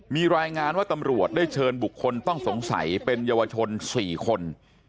มีรายงานว่าตำรวจได้เชิญบุคคลต้องสงสัยเป็นเยาวชน๔คน